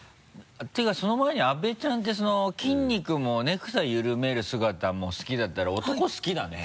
ていうかその前に阿部ちゃんって筋肉もネクタイゆるめる姿も好きだったら男好きだね。